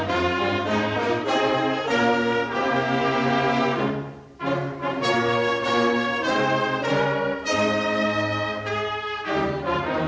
jika anda mahu mengulangi pertanyaan di slides ini